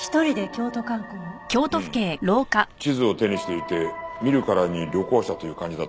地図を手にしていて見るからに旅行者という感じだったらしい。